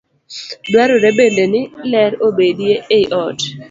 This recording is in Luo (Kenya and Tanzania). Dwarore bende ni ler obedie ei ot.